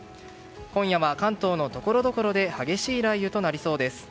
今夜は関東のところどころで激しい雷雨となりそうです。